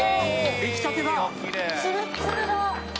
出来たてだ！